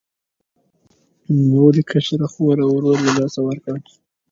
نوموړي کشره خور او ورور له لاسه ورکړل.